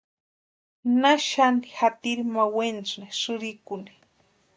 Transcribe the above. ¿Naxani jatiri ma wenasïni sïrikuni?